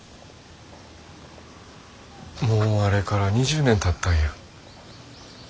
もうあれから２０年たったんや。